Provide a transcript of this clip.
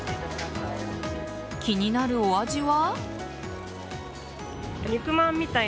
気になるお味は。